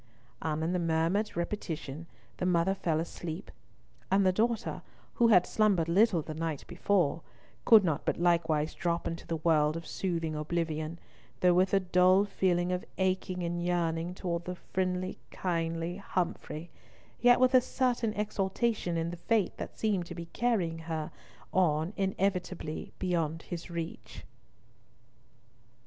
And in the murmured repetition the mother fell asleep, and the daughter, who had slumbered little the night before, could not but likewise drop into the world of soothing oblivion, though with a dull feeling of aching and yearning towards the friendly kindly Humfrey, yet with a certain exultation in the fate that seemed to be carrying her on inevitably beyond his reach.